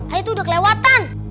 ayah itu udah kelewatan